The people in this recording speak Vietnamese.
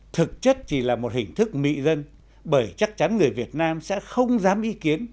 thực chất chỉ là một hình thức mị dân bởi chắc chắn người việt nam sẽ không dám ý kiến